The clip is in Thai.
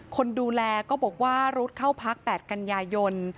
คนดูแลก็บอกว่ารุดเข้าพัก๘กันยายน